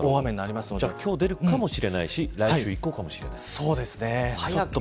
今日出るかもしれないし来週以降かもしれない。